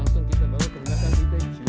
langsung kita bawa ke rumah dan kita cuci